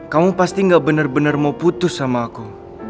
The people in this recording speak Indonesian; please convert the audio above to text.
kamu pasti gak bener bener mau putus sama aku